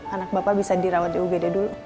anak bapak bisa dirawat di ugd dulu